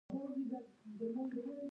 بېکریان پخوونکي وو چې خواړه به یې تیارول.